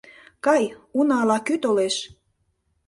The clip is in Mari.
Кай, уна ала-кӧ толеш.